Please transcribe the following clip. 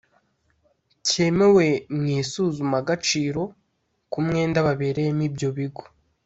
cyemewe mu isuzumagaciro k umwenda ba bereyemo ibyo bigo